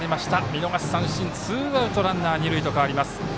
見逃し三振、ツーアウトランナー、二塁へと変わります。